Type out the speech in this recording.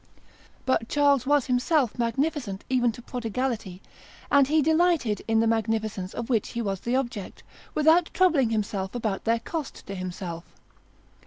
But Charles was himself magnificent even to prodigality, and he delighted in the magnificence of which he was the object, without troubling himself about their cost to himself.